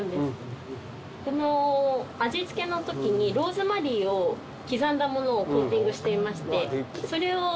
この味付けのときにローズマリーを刻んだものをコーティングしていましてそれを。